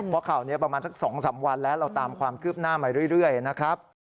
เพราะข่าวนี้ประมาณสัก๒๓วันแล้วเราตามความคืบหน้ามาเรื่อยนะครับ